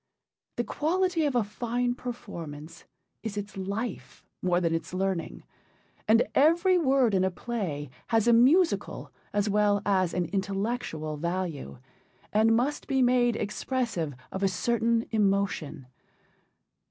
The quality of a fine performance is its life more than its learning, and every word in a play has a musical as well as an intellectual value, and must be made expressive of a certain emotion.